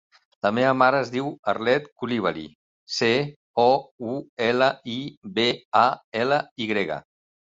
La meva mare es diu Arlet Coulibaly: ce, o, u, ela, i, be, a, ela, i grega.